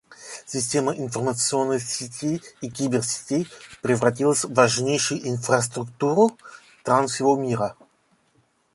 Система информационных сетей и киберсетей превратилась в важнейшую инфраструктуру стран всего мира.